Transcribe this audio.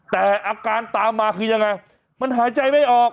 แต่อาการตามมาคือยังไงมันหายใจไม่ออก